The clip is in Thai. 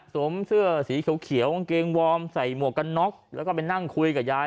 เสื้อสีเขียวกางเกงวอร์มใส่หมวกกันน็อกแล้วก็ไปนั่งคุยกับยาย